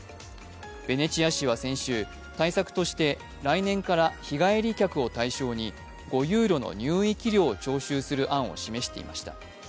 ベネチア市は先週対策として来年から日帰り客を対象に５ユーロの入域料を徴収する案を示していました。